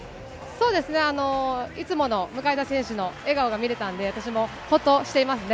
いつもの向田選手の笑顔が見れたんで、私もほっとしていますね。